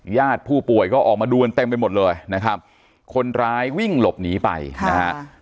ญาติผู้ป่วยก็ออกมาดูกันเต็มไปหมดเลยนะครับคนร้ายวิ่งหลบหนีไปนะฮะ